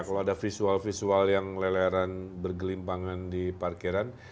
kalau ada visual visual yang leleran bergelimpangan di parkiran